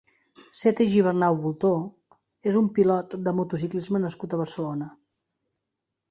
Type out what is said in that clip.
Sete Gibernau Bultó és un pilot de motociclisme nascut a Barcelona.